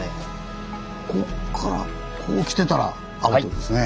こっからこう来てたらアウトですね。